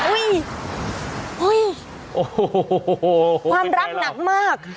อุ้ยความรักหนักมาก